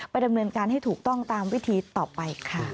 ดำเนินการให้ถูกต้องตามวิธีต่อไปค่ะ